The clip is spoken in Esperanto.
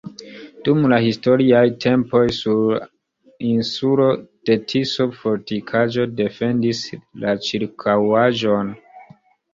Dum la historiaj tempoj sur insulo de Tiso fortikaĵo defendis la ĉirkaŭaĵon.